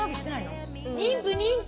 妊婦妊婦。